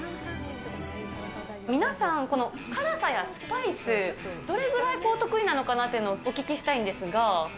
皆さん、この辛さやスパイス、どれぐらい得意なのかなっていうのをお聞きしたいんですが。